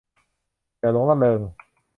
อย่าหลงระเริง